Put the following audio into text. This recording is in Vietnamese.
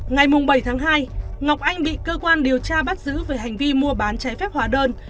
ngày bảy tháng hai ngọc anh bị cơ quan điều tra bắt giữ về hành vi mua bán trái phép hóa đơn